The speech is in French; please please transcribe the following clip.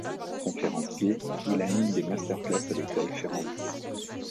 Conférencier, il anime des masters classes à l'École Ferrandi.